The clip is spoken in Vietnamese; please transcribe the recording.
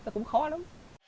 cũng khó lắm